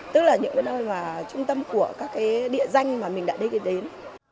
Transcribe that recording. của các địa danh mà mình đã đến